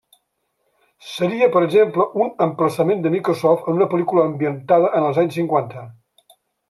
Seria, per exemple, un emplaçament de Microsoft en una pel·lícula ambientada en els anys cinquanta.